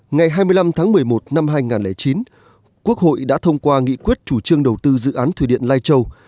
ngày hai mươi năm tháng một mươi một năm hai nghìn chín quốc hội đã thông qua nghị quyết chủ trương đầu tư dự án thủy điện lai châu